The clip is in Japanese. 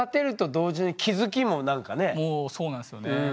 っていうかそうなんですよね。